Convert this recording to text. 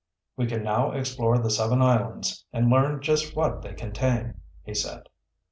"We can now explore the seven islands and learn just what they contain," he said.